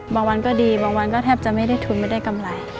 บางวันก็ดีบางวันก็แทบจะไม่ได้ทุนไม่ได้กำไร